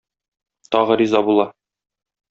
Тагы риза була.